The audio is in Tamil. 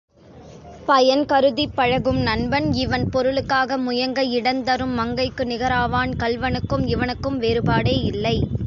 பயன் கருதிப் பழகும் நண்பன் இவன் பொருளுக்காக முயங்க இடந்தரும் மங்கைக்கு நிகராவான் கள்வனுக்கும் இவனுக்கும் வேறுபாடே இல்லை.